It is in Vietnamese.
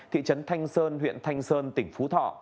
thị trấn thanh sơn huyện thanh sơn tỉnh phú thọ